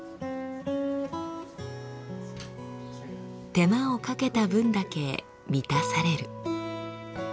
手間をかけた分だけ満たされる。